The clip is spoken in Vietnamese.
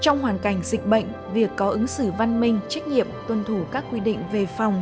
trong hoàn cảnh dịch bệnh việc có ứng xử văn minh trách nhiệm tuân thủ các quy định về phòng